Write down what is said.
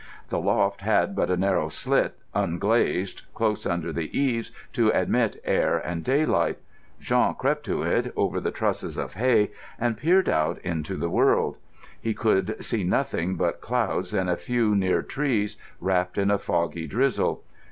The loft had but a narrow slit, unglazed, close under the eaves, to admit air and daylight. Jean crept to it, over the trusses of hay, and peered out on the world. He could see nothing but clouds and a few near trees wrapped in a foggy drizzle.